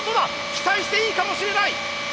期待していいかもしれない！